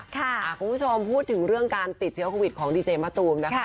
คุณผู้ชมพูดถึงเรื่องการติดเชื้อโควิดของดีเจมะตูมนะคะ